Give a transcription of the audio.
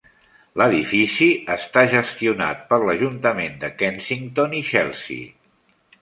L"edifici està gestionat per l"Ajuntament de Kensington i Chelsea.